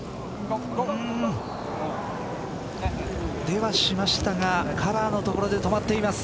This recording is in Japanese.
出はしましたがカラーの所で止まっています。